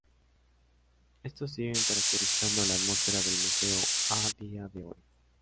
Estos siguen caracterizando la atmósfera del museo a día de hoy.